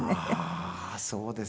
ああーそうですね。